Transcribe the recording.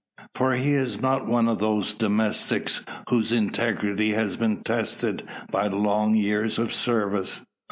For he is not one of those domestics, whose integrity has been tested by long years of service.